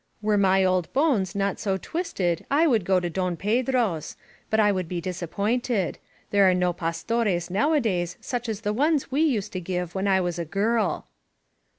Were my old bones not so twisted I would go to Don Pedro's. But I would be disappointed. There are no Pastores now adays such as the ones we used to give when I was a girl."